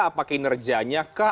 apakah kinerjanya kah